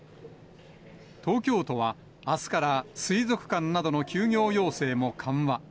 東京都は、あすから水族館などの休業要請も緩和。